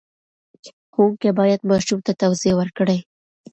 ښوونکی باید ماشوم ته توضیح ورکړي.